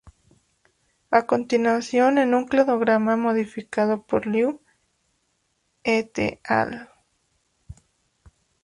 A continuación en un cladograma modificado por Liu "et al.